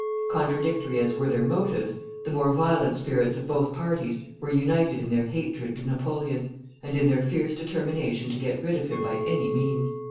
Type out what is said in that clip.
Contradictory as were their motives, the more violent spirits of both parties were united in their hatred to Napoleon, and in their fierce determination to get rid of him by any means.